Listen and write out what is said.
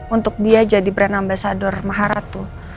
untuk dia jadi brand ambasador maharatu